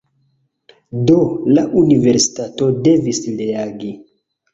Do, la universitato devis reagi